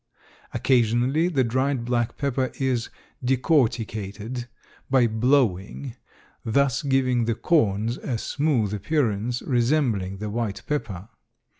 Occasionally the dried black pepper is "decorticated" by blowing, thus giving the "corns" a smooth appearance resembling the white pepper.